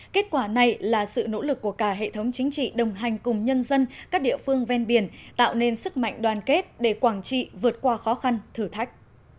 kết quả này là sự nỗ lực của cả hệ thống chính trị đồng hành cùng nhân dân các địa phương ven biển tạo nên sức mạnh đoàn kết để quảng trị vượt qua khó khăn thử thách